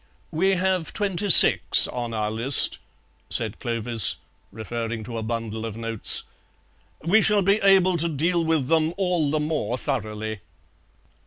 "We have twenty six on our list," said Clovis, referring to a bundle of notes. "We shall be able to deal with them all the more thoroughly."